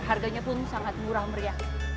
harganya pun sangat murah meriah